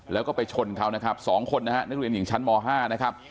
แล้วก็ไปชนเขานะครับ๒คนนะฮะนักเรียนหญิงชั้นม๕นะครับ